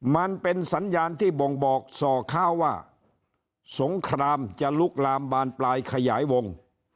มันเป็นสัญญาณที่บ่งบอกส่อข้าวว่าสงครามจะลุกลามบานปลายขยายวง